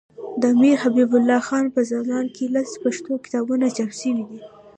د امیرحبیب الله خان په زمانه کي لس پښتو کتابونه چاپ سوي دي.